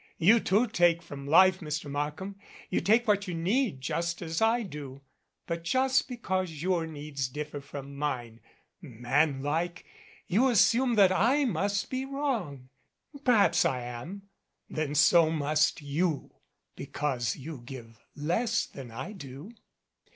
You, too, take from life, Mr. Mark ham you take what you need just as I do; but just because your needs differ from mine, manlike, you assume that I must be wrong. Perhaps I am. Then so must you, because you give less than I do.